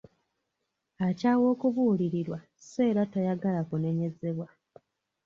Akyawa okubuulirirwa so era tayagala kunenyezebwa.